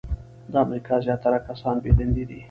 د امریکا زیاتره کسان بې دندې دي .